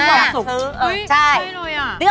อยากชอบซื้อ